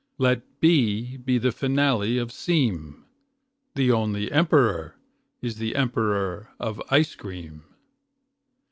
Let be be the finale of seem. The only emperor is the emperor of ice cream.